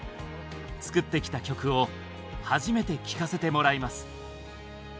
作ってきた曲を初めて聴かせてもらいます。